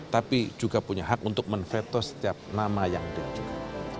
tapi juga punya hak untuk menveto setiap nama yang dia juga